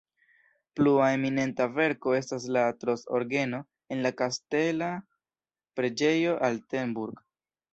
Plua eminenta verko estas la Trost-orgeno en la kastela preĝejo Altenburg.